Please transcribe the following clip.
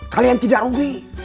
kalian tidak rugi